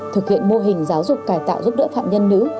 thực hiện mô hình giáo dục cải tạo giúp đỡ phạm nhân nữ